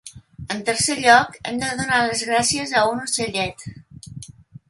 En tercer lloc, hem de donar les gràcies a un ocellet.